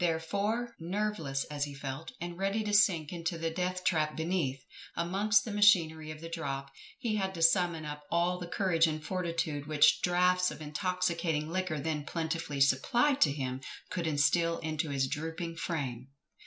Therefore, nerveless as he felt, and ready to sink into the death trap beneath, amongst the machinery of the drop, he had to summon up all the courage and fortitude which draughts of intoxicating liquor then plentifully supplied to him, could instil into his drooping frame.